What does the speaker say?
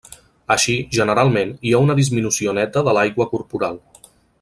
Així, generalment, hi ha una disminució neta de l'aigua corporal.